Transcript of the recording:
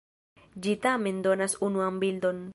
Ĝi tamen donas unuan bildon.